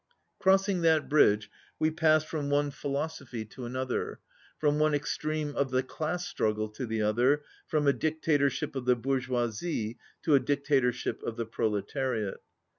Crossing that bridge we passed from one philosophy to another, from one extreme of the class struggle to the other, from a dictatorship of the bourgeoisie to a dicta torship of the proletariat.